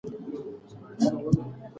د بالاحصار بازار وسوځول شو.